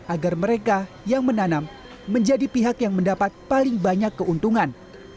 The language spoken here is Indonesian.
agar mereka yang menanam menjadi pihak yang mendapat paling banyak keuntungan